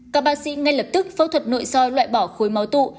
các bác sĩ ngay lập tức phẫu thuật nội soi loại bỏ khối máu tụ